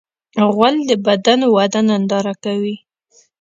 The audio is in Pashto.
غول د بدن وده ننداره کوي.